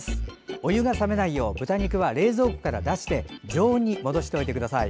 お湯が冷めないよう豚肉は冷蔵庫から出して常温に戻しておいてください。